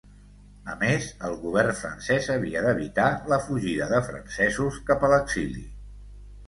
A més, el govern francès havia d'evitar la fugida de francesos cap a l'exili.